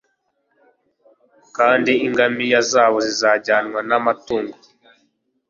Kandi ingamiya zabo zizajyanwa n amatungo